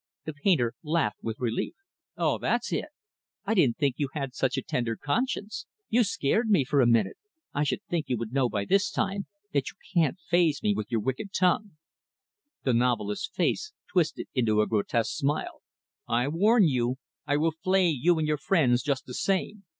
The' painter laughed with relief. "Oh, that's it! I didn't know you had such a tender conscience. You scared me for a minute, I should think you would know by this time that you can't phase me with your wicked tongue." The novelist's face twisted into a grotesque smile. "I warn you I will flay you and your friends just the same.